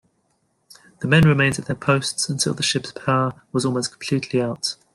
The men remained at their posts until the ship's power was almost completely out.